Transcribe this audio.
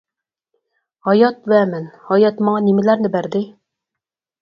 ھايات ۋە مەن ھايات ماڭا نېمىلەرنى بەردى؟ !